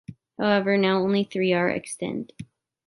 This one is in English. However, now only three are extant.